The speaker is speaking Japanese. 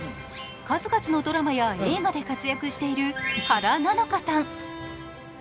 数々のドラマや映画で活躍している原菜乃華さん。